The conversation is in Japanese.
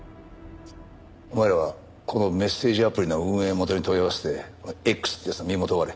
お前らはこのメッセージアプリの運営元に問い合わせてこのＸって奴の身元を割れ。